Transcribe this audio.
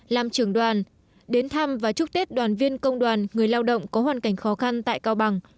làm trưởng đoàn đến thăm và chúc tết đoàn viên công đoàn người lao động có hoàn cảnh khó khăn tại cao bằng